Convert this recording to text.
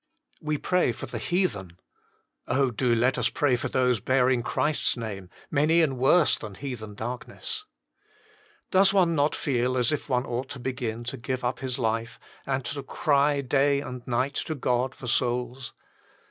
"\Ve pray for the heathen oh ! do let us pray for those bearing Christ s name, many in worse than heathen darkness. Docs not one feel as if one ought to begin to give up his life, and to cry day and night to God for souls